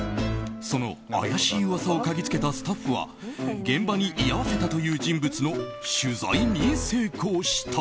その怪しい噂をかぎつけたスタッフは現場に居合わせたという人物の取材に成功した。